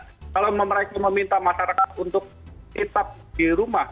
kalau mereka meminta masyarakat untuk tetap di rumah